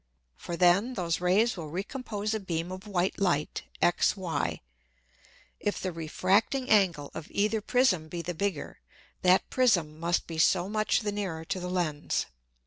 For then those Rays will recompose a beam of white Light XY. If the refracting Angle of either Prism be the bigger, that Prism must be so much the nearer to the Lens.